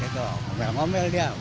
ngomel ngomel dia banting hp